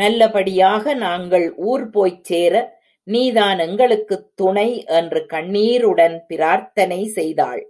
நல்லபடியாக நாங்கள் ஊர் போய்ச் சேர நீதான் எங்களுக்குத் துணை என்று கண்ணீருடன் பிரார்த்தனை செய்தாள்.